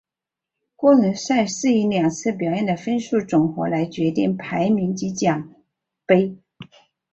个人赛是以两次表演的分数总和来决定排名及奖牌。